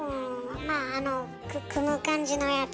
まああの組む感じのやつ？